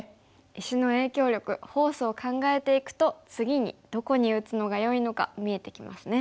石の影響力フォースを考えていくと次にどこに打つのがよいのか見えてきますね。